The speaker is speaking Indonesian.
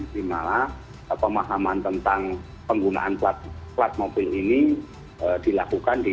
di mana pemahaman tentang penggunaan plat mobil ini dilakukan di